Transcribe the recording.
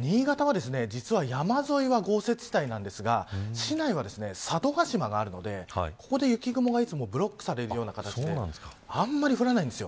新潟は、実は山沿いは豪雪地帯なんですが市内には佐渡島があるのでここで雪雲が、いつもブロックされるような形であまり降らないんです。